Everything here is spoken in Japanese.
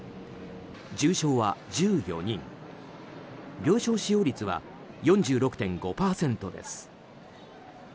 重症は１４人病床使用率は４６．５％です。